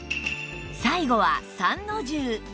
最後は三の重